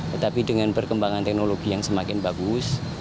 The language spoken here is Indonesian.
tetapi dengan perkembangan teknologi yang semakin bagus